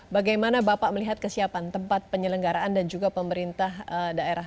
bagaimana bapak melihat kesiapan tempat penyelenggaraan dan juga pemerintah daerah